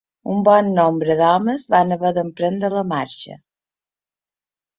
Un bon nombre d'homes van haver d'emprendre la marxa